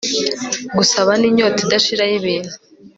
gusaba n'inyota idashira y'ibintu